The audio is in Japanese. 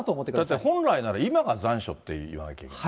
だって本来なら、今が残暑って言わなきゃいけない。